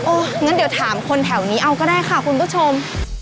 งั้นเดี๋ยวถามคนแถวนี้เอาก็ได้ค่ะคุณผู้ชม